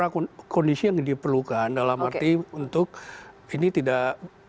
jadi maksudnya ini satu kondisi yang diperlukan dalam arti untuk ini tidak